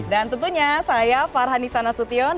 dan tentunya saya farhani sanasution